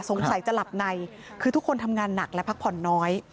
สงสัยจะหลับในคือทุกคนทำงานหนักและพักผ่อนน้อย